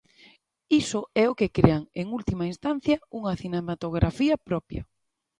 Iso é o que crea, en última instancia, unha cinematografía propia.